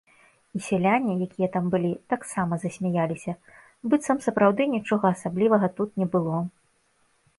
І сяляне, якія там былі, таксама засмяяліся, быццам сапраўды нічога асаблівага тут не было.